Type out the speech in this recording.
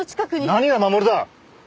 何が守るだ！